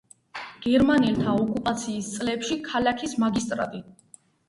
გერმანელთა ოკუპაციის წლებში ქალაქის მაგისტრატი.